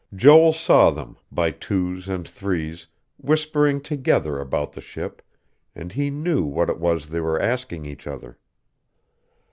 Joel saw them, by twos and threes, whispering together about the ship; and he knew what it was they were asking each other.